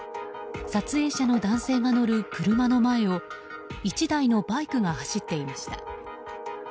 撮影者の男性が乗る車の前を１台のバイクが走っていました。